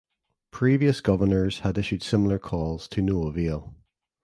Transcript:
Previous governors had issued similar calls to no avail.